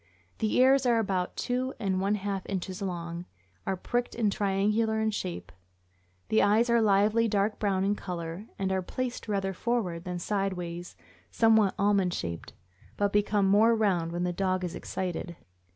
The ears are about two and one half inches long, are pricked and triangular in shape; the eyes are lively, dark brown in color, and are placed rather forward than sidewise — somewhat almond shaped, but become more round when the dog is excited.